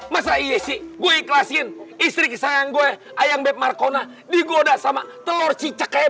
masa iya sih gue ikhlasin istri kesayang gue ayam bep markona digoda sama telur cicak kayak